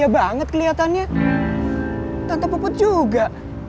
papa bahagia banget kelihatannya tante popo juga